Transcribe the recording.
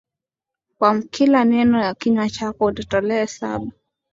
Kwa kila neno na kinywa chako utatolea hesabu